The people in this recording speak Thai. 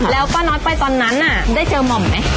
แล้วป้าน้อยไปตอนนั้นได้เจอหม่อมไหม